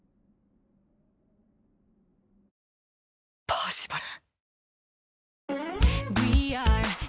パーシバル